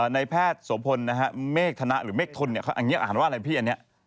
ในแพทย์โสพลเมฆธนะหรือเมฆทนอ่านว่าอะไรพี่อันนี้